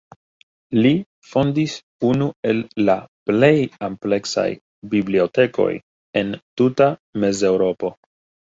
Li fondis unu el la plej ampleksaj bibliotekoj en tuta Mezeŭropo.